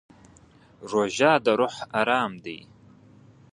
روژه د روح ارام دی.